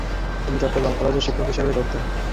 তিনি চট্টগ্রাম কলেজে শিক্ষক হিসাবে যোগ দেন।